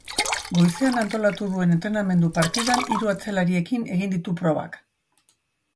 Goizean antolatu duen entrenamendu-partidan hiru atzelarirekin egin ditu probak.